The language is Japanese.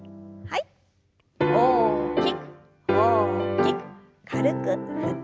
大きく大きく軽く振って。